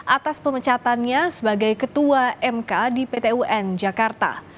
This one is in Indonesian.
atas pemecatannya sebagai ketua mk di pt un jakarta